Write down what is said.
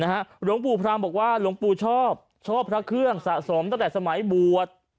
หลวงปู่พรามบอกว่าหลวงปู่ชอบชอบพระเครื่องสะสมตั้งแต่สมัยบวช